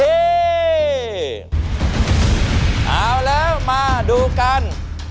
เอาแล้วมาดูกัน